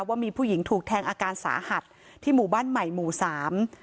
ว่ามีผู้หญิงถูกแทงอาการสาหัสที่หมู่บ้านใหม่หมู่สาม